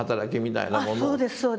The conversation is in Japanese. ああそうですそうです。